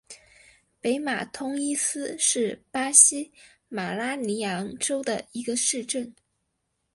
北马通伊斯是巴西马拉尼昂州的一个市镇。